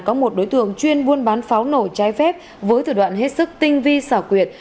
có một đối tượng chuyên buôn bán pháo nổi trái phép với thử đoạn hết sức tinh vi xảo quyệt